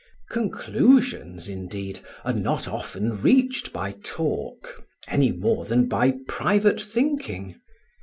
Conclusions, indeed, are not often reached by talk any more than by private thinking.